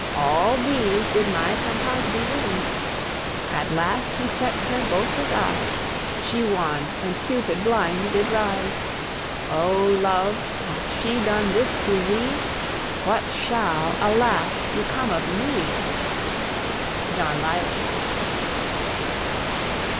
All these did my Campasbe win. At last he set her both his eyes; She won and Cupid blind did rise. Oh, Love, hath she done this to thee! What shall, alas, become of me! JOHN LYLY.